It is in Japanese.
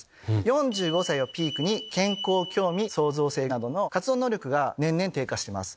４５歳をピークに健康・興味・創造性などの活動能力が年々低下してます。